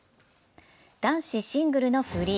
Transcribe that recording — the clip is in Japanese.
男子シングルのフリー。